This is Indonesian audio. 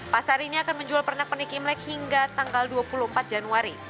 pasar ini akan menjual pernak pernik imlek hingga tanggal dua puluh empat januari